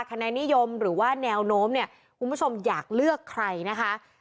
คะแนนนิยมหรือว่าแนวโน้มเนี่ยคุณผู้ชมอยากเลือกใครนะคะ